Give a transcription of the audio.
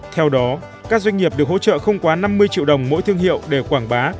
theo đó các doanh nghiệp được hỗ trợ không quá năm mươi triệu đồng mỗi thương hiệu để quảng bá